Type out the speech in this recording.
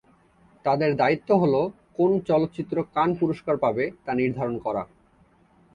তাদের দায়িত্ব হল কোন চলচ্চিত্র কান পুরস্কার পাবে তা নির্ধারণ করা।